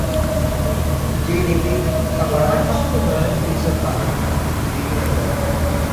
جی D P کا پانچ فیصد تعلیم کو دیا جائے